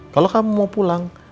kalau kamu mau pulang